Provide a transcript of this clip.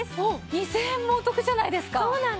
２０００円もお得じゃないですか！